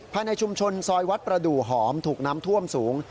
ภายในชุมชนซอยวัดประดูกหอมถูกน้ำท่วมสูง